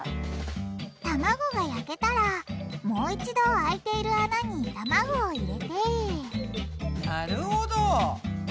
卵が焼けたらもう一度空いている穴に卵を入れてなるほど。